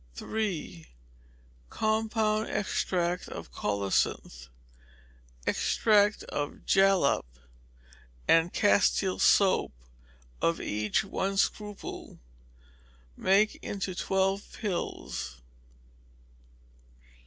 3. Compound extract of colocynth, extract of jalap, and Castile soap, of each one scruple; make into twelve pills.